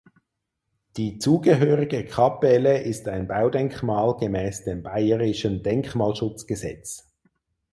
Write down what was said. Die zugehörige Kapelle ist ein Baudenkmal gemäß dem Bayerischen Denkmalschutzgesetz.